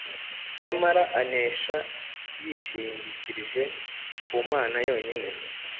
Nyamara anesha yishingikirije ku Mana yonyine.